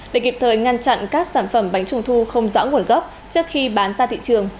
để kịp thời ngăn chặn các sản phẩm bánh trung thu không rõ nguồn gốc trước khi bán ra thị trường